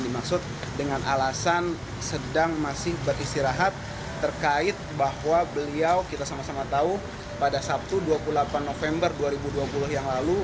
dimaksud dengan alasan sedang masih beristirahat terkait bahwa beliau kita sama sama tahu pada sabtu dua puluh delapan november dua ribu dua puluh yang lalu